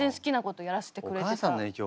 お母さんの影響